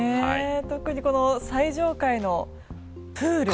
特に最上階のプール。